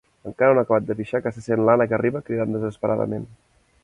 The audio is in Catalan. Encara no ha acabat de pixar que sent l'Anna que arriba, cridant desesperadament.